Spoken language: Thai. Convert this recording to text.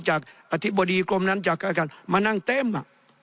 จากอธิบดีกรมนั้นจากมานั่งเต็ม